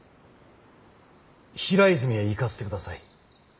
平泉へ行かせてください。